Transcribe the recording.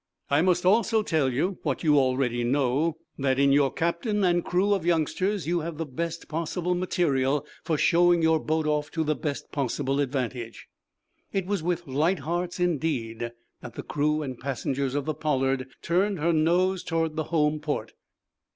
I must also tell you, what you already know, that, in your captain and crew of youngsters, you have the best possible material for showing your boat off to the best possible advantage." It was with light hearts indeed that the crew and passengers of the "Pollard" turned her nose toward the home port.